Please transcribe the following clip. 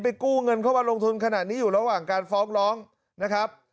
กู้เงินเข้ามาลงทุนขนาดนี้อยู่ระหว่างการฟ้องร้องนะครับ